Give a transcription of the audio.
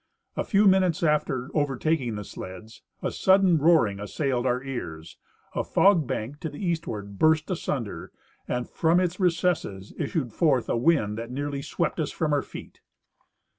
A few minutes after overtaking the sleds a sudden roaring assailed our ears, a fog bank to the eastward burst asunder, and from its recesses issued forth a wind that nearly swept us from our feet.